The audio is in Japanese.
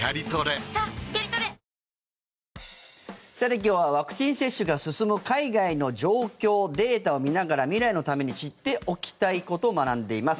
今日はワクチン接種が進む海外の状況、データを見ながら未来のために知っておきたいこと学んでいます。